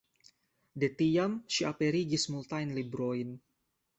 De tiam ŝi aperigis multajn librojn.